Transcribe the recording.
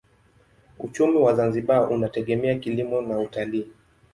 Uchumi wa Zanzibar unategemea kilimo na utalii.